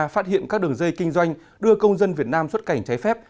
phát hiện các đường dây kinh doanh đưa công dân việt nam xuất cảnh trái phép